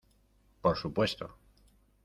por su puesto.